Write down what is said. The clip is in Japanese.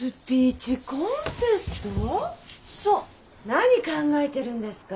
何考えてるんですか！